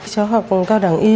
cháu học ở cao đẳng y